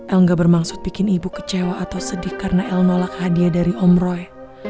engga bermaksud bikin ibu kecewa atau sedih karena el nolak hadiah dari om roy